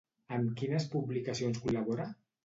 En quines publicacions col·labora?